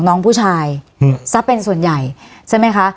น้องผู้ชายซะเป็นส่วนใหญ่ใช่ไหมคะ